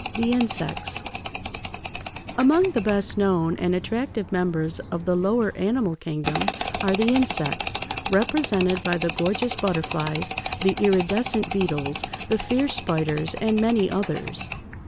THE INSECTS Among the best known and attractive members of the lower animal kingdom are the insects, represented by the gorgeous butterflies, the iridescent beetles, the fierce spiders, and many others.